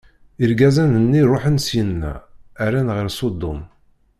Irgazen-nni ṛuḥen syenna, rran ɣer Sudum.